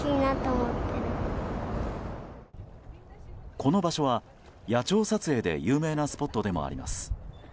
この場所は、野鳥撮影で有名なスポットでもあります。